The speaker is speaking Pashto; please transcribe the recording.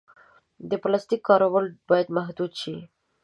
د پلاسټیک کارول باید محدود شي.